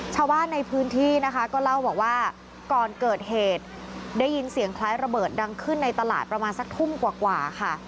ชาวบ้านในพื้นที่นะคะก็เล่าบอกว่าก่อนเกิดเหตุได้ยินเสียงคล้ายระเบิดดังขึ้นในตลาดประมาณสักทุ่มกว่าค่ะ